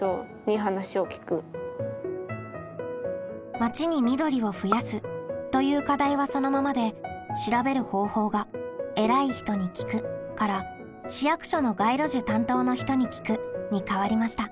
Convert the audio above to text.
「町に緑を増やす」という課題はそのままで調べる方法が「えらい人に聞く」から「市役所の街路樹担当の人に聞く」に変わりました。